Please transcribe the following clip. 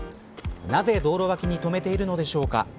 なぜ道路脇に止めているのでしょうか。